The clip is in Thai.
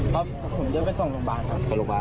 เพราะผมเดินไปส่งลูกฝ่าครับไปบ้าน